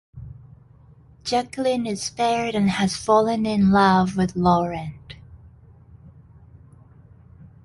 Jacqueline is spared and has fallen in love with Laurent.